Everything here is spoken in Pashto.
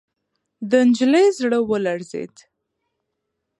د نجلۍ زړه ولړزېد.